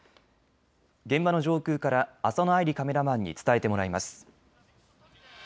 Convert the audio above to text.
現場の上空から浅野愛里カメラマンに伝えてもらいます。